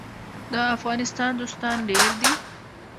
د افغانستان دوستان ډیر دي